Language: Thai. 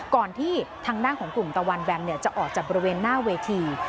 ก่อนที่ทางด้านของกลุ่มตะวันแวมจะออกจากบริเวณหน้าเวที